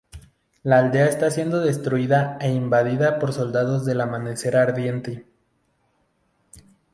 La aldea está siendo destruida e invadida por soldados del Amanecer Ardiente.